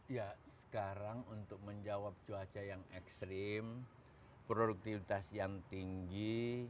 ya sekarang untuk menjawab cuaca yang ekstrim produktivitas yang tinggi